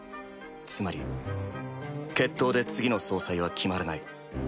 つまり決闘で次の総裁は決まらない。